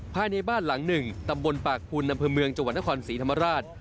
ภายในบ้านหลังหนึ่งตำบลปากภูนอำเภอเมืองจังหวัดนครศรีธรรมราช